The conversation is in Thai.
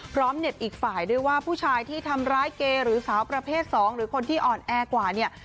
เหน็บอีกฝ่ายด้วยว่าผู้ชายที่ทำร้ายเกย์หรือสาวประเภท๒หรือคนที่อ่อนแอกว่าเนี่ย